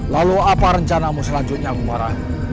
lalu apa rencanamu selanjutnya gemara